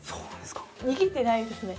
握ってないんですね。